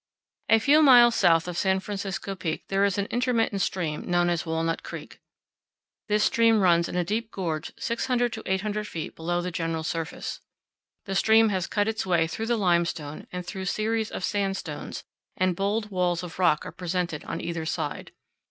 41 A few miles south of San Francisco Peak there is an intermittent stream known as Walnut Creek. This stream runs in a deep gorge 600 to 800 feet below the general surface. The stream has cut its way through the limestone and through series of sandstones, and bold walls of rock are presented on either side.